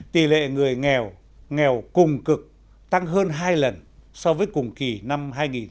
tỷ lệ người nghèo nghèo cùng cực tăng hơn hai lần so với cùng kỳ năm hai nghìn một mươi tám